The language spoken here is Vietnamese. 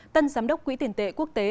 tân giám đốc quỹ tiền tệ quốc tế